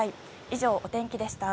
以上、お天気でした。